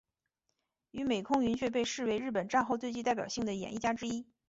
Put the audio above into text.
与美空云雀被视为日本战后最具代表性的演艺家之一。